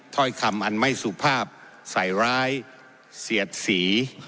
ถ้อยคำอันไม่สุภาพใส่ร้ายเสียดสี